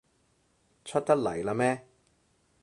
出得嚟喇咩？